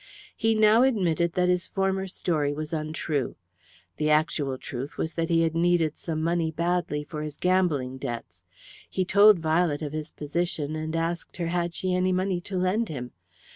He now admitted that his former story was untrue. The actual truth was that he had needed some money badly for his gambling debts. He told Violet of his position, and asked her had she any money to lend him.